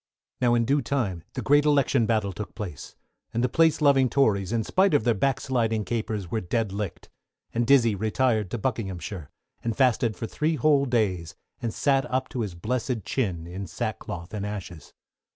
Now in due time the Great Election Battle took place, and the Place loving Tories, in spite of their back sliding capers, were dead licked; and Dizzey retired to Buckinghamshire, and fasted for three whole days, and sat up to his blessed chin in sackcloth and ashes.